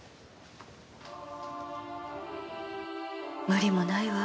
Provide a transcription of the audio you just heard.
無理もないわ。